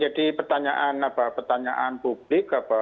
jadi ini yang menjadi pertanyaan publik